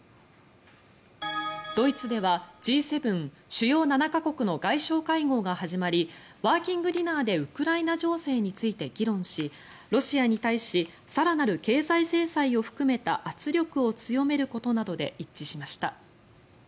ドイツではＧ７・主要７か国の外相会合が始まりワーキングディナーでウクライナ情勢について議論しロシアに対し更なる経済制裁を含めた圧力を強めることなどで一致しました。